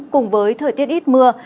cùng với thời tiết ít mưa